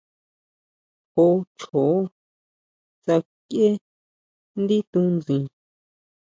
Jó chjoó sakieʼe ndí tunsin.